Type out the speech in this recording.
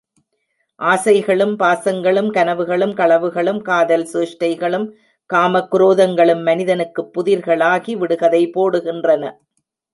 ஆசைகளும் பாசங்களும், கனவுகளும் களவுகளும் காதல் சேஷ்டைகளும் காமக் குரோதங்களும் மனிதனுக்குப் புதிர்களாகி விடுகதை போடுகின்றன.